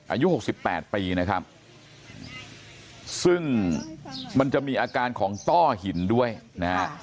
อายุหกสิบแปดปีนะครับซึ่งมันจะมีอาการของต้อหินด้วยนะฮะ